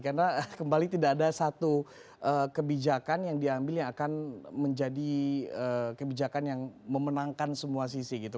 karena kembali tidak ada satu kebijakan yang diambil yang akan menjadi kebijakan yang memenangkan semua sisi gitu